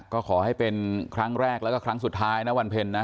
ก็ขอให้เป็นครั้งแรกแล้วก็ครั้งสุดท้ายนะวันเพ็ญนะ